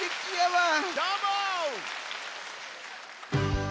どーも！